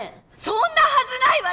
そんなはずないわ！